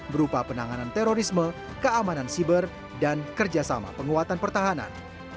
berupa penanganan terorisme keamanan siber dan kerjasama penguatan pertahanan